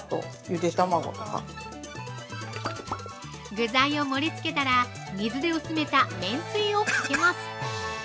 ◆具材を盛り付けたら、水で薄めためんつゆをかけます。